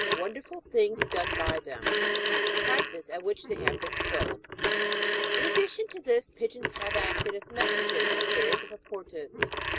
WONDEEFrL THINGS DONE BY THEM; PRICES AT WHICH THEV HAVE BEEN SOLD. In addition to this, pigeons have acted as messengers in aftairs of importance.